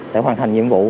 để hoàn thành nhiệm vụ